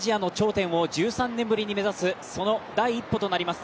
若き日本代表がアジアの頂点を１３年ぶりに目指すその第１歩となります